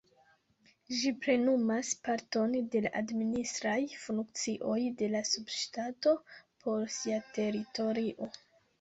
Ĝi plenumas parton de la administraj funkcioj de la subŝtato por sia teritorio.